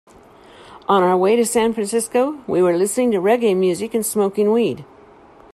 On our way to San Francisco, we were listening to reggae music and smoking weed.